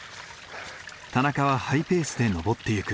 田中はハイペースで登っていく。